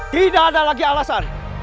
tidak ada lagi alasan